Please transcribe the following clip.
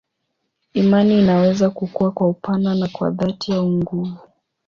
Imani inaweza kukua kwa upana na kwa dhati au nguvu.